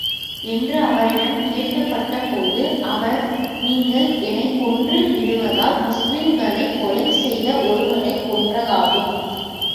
என்று அவரிடம் கேட்கப்பட்ட போது அவர் நீங்கள் என்னைக் கொன்று விடுவதால், முஸ்லிம்களைக் கொலை செய்த ஒருவனைக் கொன்றதாகும்.